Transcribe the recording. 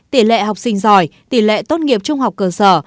tỷ lệ học sinh giỏi tỷ lệ tốt nghiệp trung học cơ sở